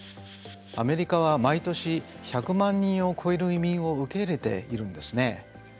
アメリカは毎年１００万人を超える移民を受け入れているんですね。